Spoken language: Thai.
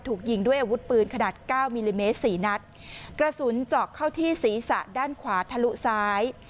ถูกยิงด้วยอาวุธปืนขนาดเก้ามิลลิเมตรสี่นัดกระสุนเจาะเข้าที่ศีรษะด้านขวาทะลุซ้าย